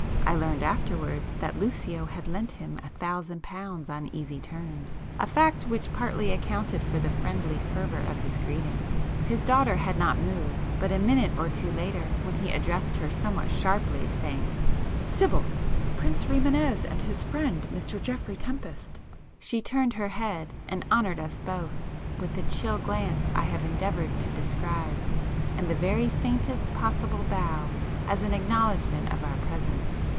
(I learned afterwards that Lucio had lent him a thousand pounds on easy terms, a fact which partly accounted for the friendly fervour of his greeting.) His daughter had not moved; but a minute or two later when he addressed her somewhat sharply, saying "Sibyl! Prince Rimânez and his friend, Mr Geoffrey Tempest," she turned her head and honoured us both with the chill glance I have endeavoured to describe, and the very faintest possible bow as an acknowledgment of our presence.